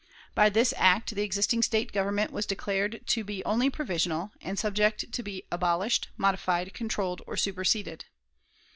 By this act the existing State government was "declared to be only provisional, and subject to be abolished, modified, controlled, or superseded."